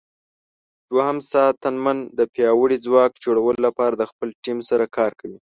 دوهم ساتنمن د پیاوړي ځواک جوړولو لپاره د خپل ټیم سره کار کوي.